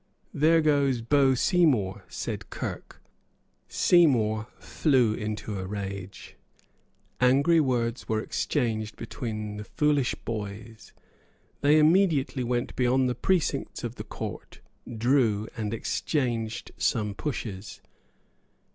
"There goes Beau Seymour," said Kirke. Seymour flew into a rage. Angry words were exchanged between the foolish boys. They immediately went beyond the precincts of the Court, drew, and exchanged some pushes.